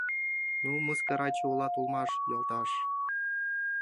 — Ну, мыскараче улат улмаш, йолташ...